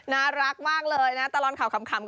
น่ารักมากเลยนะตลอดข่าวขำ